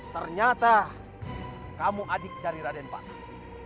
ternyata kamu adik dari raden patung